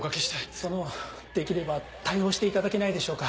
そのできれば対応していただけないでしょうか？